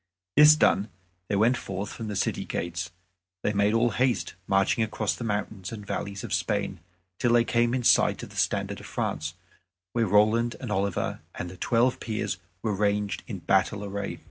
This done they went forth from the city gates. They made all haste, marching across the mountains and valleys of Spain till they came in sight of the standard of France, where Roland and Oliver and the Twelve Peers were ranged in battle array.